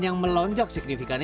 yang melonjok signifikannya